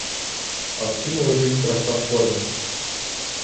А в чім лежить краса форми?